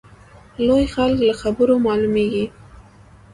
لوی خلک له خبرو معلومیږي.